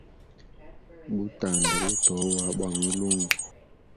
Butanda butoa bwa mwilungu.